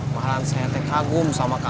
malah saya kagum sama kak aku